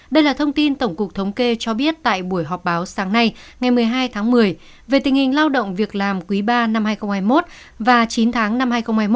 đây là thông tin tổng cục thống kê cho biết tại buổi họp báo sáng nay ngày một mươi hai tháng một mươi về tình hình lao động việc làm quý ba năm hai nghìn hai mươi một và chín tháng năm hai nghìn hai mươi một